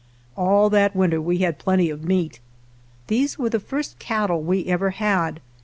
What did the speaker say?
All that winter we had plenty of meat. These were the first cattle we ever had.